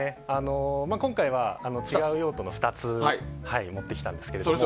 今回は、違う用途の２つを持ってきたんですが。